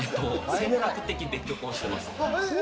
選択的別居婚してます。